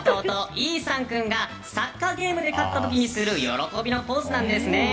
イーサン君がサッカーゲームで勝った時にする喜びのポーズなんですね。